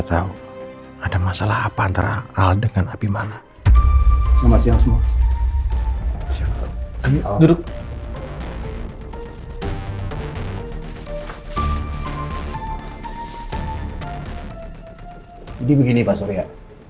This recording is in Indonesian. jadi begini pak surya